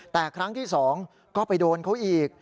แต่ครั้งที่๒ก็ไปโดนเขาอีก